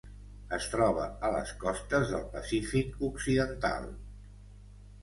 Es troba a les costes del Pacífic occidental.